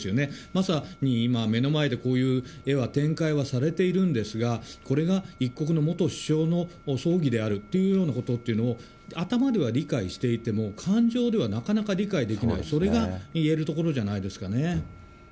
まさに今、目の前でこういう絵が展開はされているんですが、これが一国の元首相の葬儀であるっていうようなことを、頭では理解していても、感情ではなかなか理解できない、それがいえるところじゃないですかね。